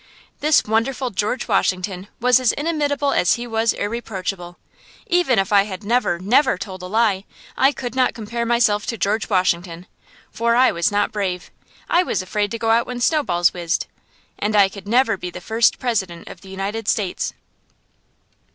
This wonderful George Washington was as inimitable as he was irreproachable. Even if I had never, never told a lie, I could not compare myself to George Washington; for I was not brave I was afraid to go out when snowballs whizzed and I could never be the First President of the United States.